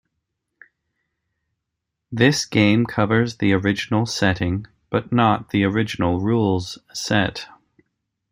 This game covers the original setting, but not the original rules set.